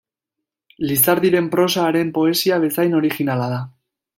Lizardiren prosa haren poesia bezain originala da.